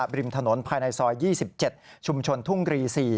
ริมถนนภายในซอย๒๗ชุมชนทุ่งรี๔